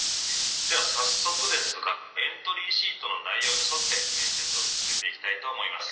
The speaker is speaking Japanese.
では早速ですがエントリーシートの内容に沿って面接を進めていきたいと思います」。